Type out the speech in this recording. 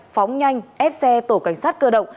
phóng nhanh ép xe tổ cảnh sát cơ động